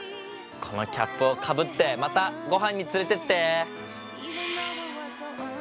このキャップをかぶってまたごはんに連れてって！